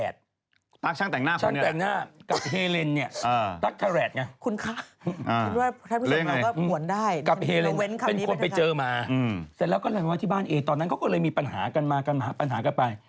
เสร็จแล้วก็เริ่มมาที่บ้านเอเค้าก็เลยมีปัญหากันมากันมากันไป